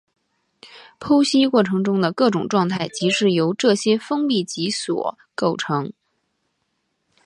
剖析过程中的各种状态即是由这些封闭集所构成。